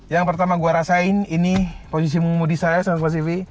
yang pertama gua rasain ini posisi moodi saya sobat tempat cv